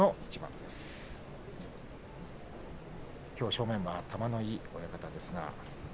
正面は玉ノ井親方です。